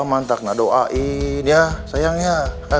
mantak nah doain ya sayangnya